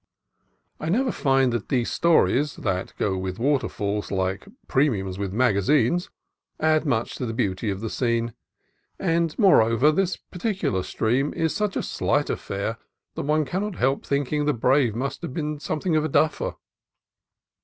I never find that these stories that go with water falls like premiums with magazines add much to the beauty of the scene; and, moreover, this par ticular stream is such a slight affair that one cannot help thinking the brave must have been something of a duffer.